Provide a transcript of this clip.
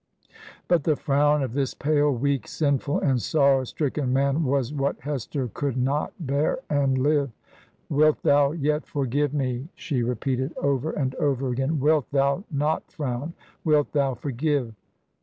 But the frown of this pale, weak, sinful, and sorrow stricken man was what Hester could not bear and live! 'Wilt thou yet forgive me?' she 171 Digitized by VjOOQIC HEROINES OF FICTION repeated, over and over again. 'Wilt thou not frown? Wilt thou forgive?'